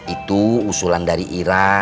itu usulan dari ira